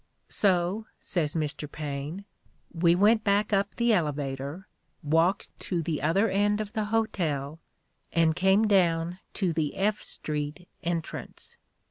"So," says Mr. Paine, "we went back up the elevator, walked to the other end of the hotel, and came down to the F Street entrance.